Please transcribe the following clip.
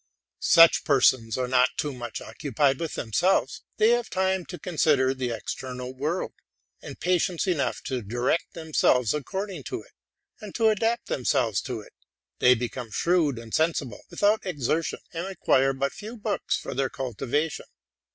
Such persons are not too much occupied with themselves : they have time to consider the external world, and patience enough to direct themselves according to it, and to adapt themselves to it; they become shrewd and sensible without exertion, and require but few books for their cultivation.